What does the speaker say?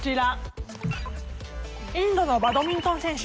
インドのバドミントン選手